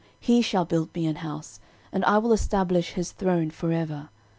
13:017:012 He shall build me an house, and I will stablish his throne for ever.